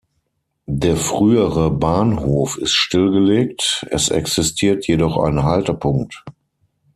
Der frühere Bahnhof ist stillgelegt, es existiert jedoch ein Haltepunkt.